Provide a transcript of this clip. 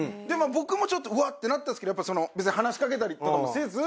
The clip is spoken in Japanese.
僕もちょっとうわ！ってなったんですけど別に話しかけたりとかもせず。